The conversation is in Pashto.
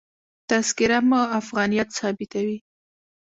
تذکره مو افغانیت ثابتوي.